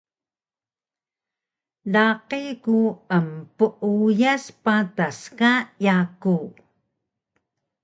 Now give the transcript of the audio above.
Laqi ku empeuyas patas ka yaku